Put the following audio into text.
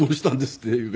っていうか。